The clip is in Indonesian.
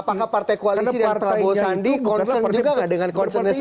apakah partai koalisi dan prabowo sandi konsen juga nggak dengan konsennya sama